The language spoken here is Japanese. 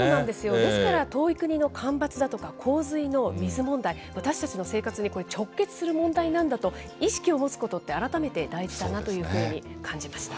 ですから遠い国の干ばつだとか洪水の水問題、私たちの生活に直結する問題なんだと意識を持つことって改めて大事だなというふうに感じました。